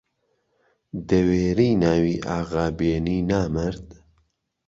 دەوێری ناوی ئاغا بێنی نامەرد!